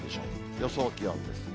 予想気温です。